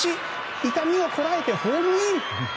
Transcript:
痛みをこらえてホームイン！